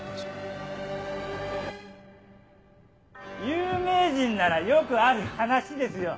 有名人ならよくある話ですよ。